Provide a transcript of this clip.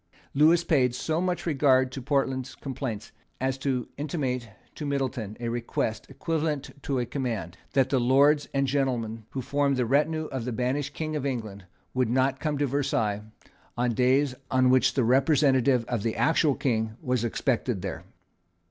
Lewis paid so much regard to Portland's complaints as to intimate to Middleton a request, equivalent to a command, that the Lords and gentlemen who formed the retinue of the banished King of England would not come to Versailles on days on which the representative of the actual King was expected there.